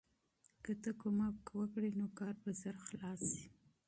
که ته مرسته وکړې نو کار به ژر خلاص شي.